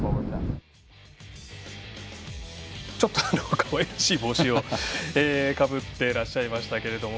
かわいらしい帽子をかぶってらっしゃいましたけども。